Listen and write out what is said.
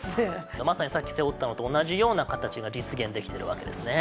まさにさっき背負ったのと同じような形が実現できているわけですね。